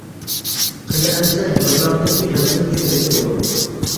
قېنى ئەمىسە ژۇرنالنى بۇ يەردىن چۈشۈرۈپ كۆرۈڭ!